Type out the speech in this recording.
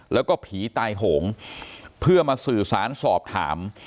แล้วก็ผีตายโหงเพื่อมาสื่อสารสอบถาม